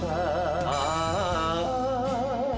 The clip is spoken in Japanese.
「ああ」